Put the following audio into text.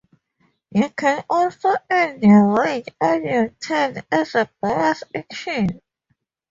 You can also end your rage on your turn as a bonus action.